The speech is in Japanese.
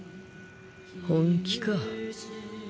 本気か。